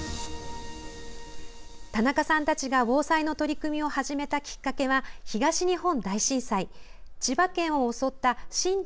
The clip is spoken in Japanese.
田中さんたちが防災の取り組みを始めたきっかけは東日本大震災。